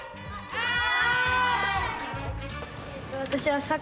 はい！